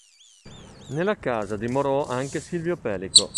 Nella casa dimorò anche Silvio Pellico.